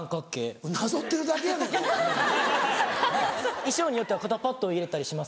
衣装によっては肩パットを入れたりします